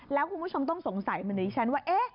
แล้วคุณผู้ชมต้องสงสัยเหมือนดิฉันว่า